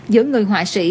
giữa người họa sĩ